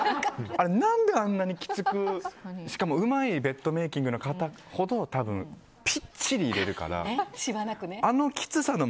なんであんなにきつく、しかもうまいベッドメイキングの方ほど多分、ぴっちり入れるから。